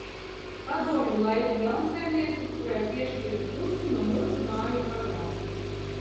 Padomju laiku jaunsaimniece, kurai piešķīra pusi no mūsu māju pagalma.